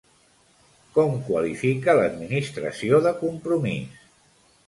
Com qualifica l'administració de Compromís?